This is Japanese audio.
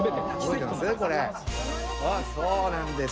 そうなんです！